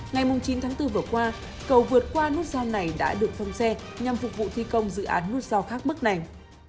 ngày chín tháng bốn vừa qua cầu vượt qua nút sao này đã được phong xe nhằm phục vụ thi công dự án nút sao khác mức này